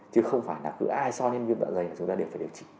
chứ không phải là cứ ai so với viêm dạ dày thì chúng ta đều phải điều trị